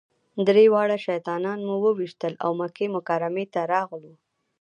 درې واړه شیطانان مو وويشتل او مکې مکرمې ته راغلو.